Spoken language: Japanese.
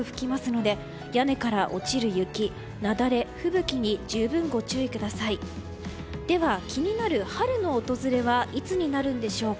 では、気になる春の訪れはいつになるのでしょうか。